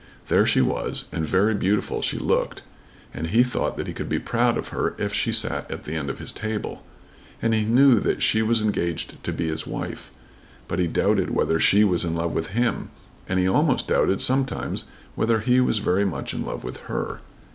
There she was, and very beautiful she looked; and he thought that he could be proud of her if she sat at the end of his table; and he knew that she was engaged to be his wife. But he doubted whether she was in love with him; and he almost doubted sometimes whether he was very much in love with her.